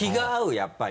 やっぱり。